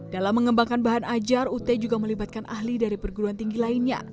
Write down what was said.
dalam mengembangkan bahan ajar ut juga melibatkan ahli dari perguruan tinggi lainnya